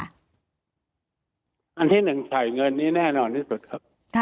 อันที่๑จ่ายเงินนี้แน่นอนที่สุดครับ